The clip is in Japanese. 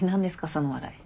その笑い。